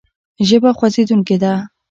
ژبه خوځېدونکې ده.